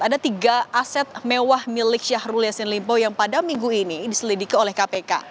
ada tiga aset mewah milik syahrul yassin limpo yang pada minggu ini diselidiki oleh kpk